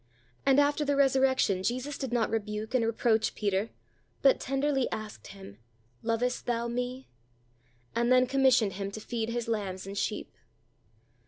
And after the resurrection Jesus did not rebuke and reproach Peter, but tenderly asked him, "Lovest thou Me?" and then commissioned him to feed His lambs and sheep.